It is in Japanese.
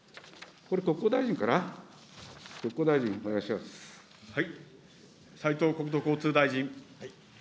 これ国交大臣かな、国交大臣、お斉藤国土交通大臣。